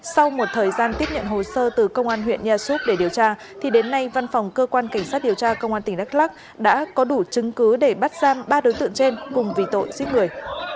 sau một thời gian tiếp nhận hồ sơ từ công an huyện nha xúc để điều tra thì đến nay văn phòng cơ quan cảnh sát điều tra công an tỉnh đắk lắc đã có đủ chứng cứ để bắt giam ba đối tượng trên cùng vì tội giết người